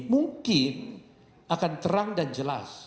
mungkin akan terang dan jelas